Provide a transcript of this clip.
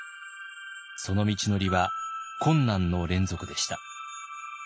その道のりは困難の連続でした。